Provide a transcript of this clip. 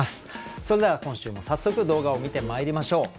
それでは今週も早速動画を観てまいりましょう。